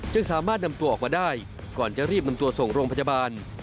สามารถนำตัวออกมาได้ก่อนจะรีบนำตัวส่งโรงพยาบาล